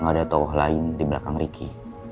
ada tokoh lain di belakang ricky